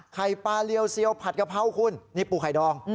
ไข่ปลาเรียวเซียวผัดกะเพราคุณนี่ปูไข่ดอง